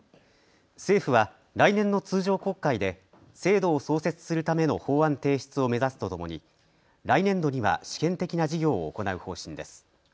政府は来年の通常国会で制度を創設するための法案提出を目指すとともに来年度には試験的な事業を行う方針です。